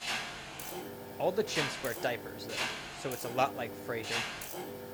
All the chimps wear diapers, though, so it's a lot like "Frasier".